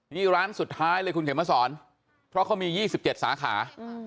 นี่ร้านสุดท้ายเลยคุณเข็มมาสอนเพราะเขามี๒๗สาขา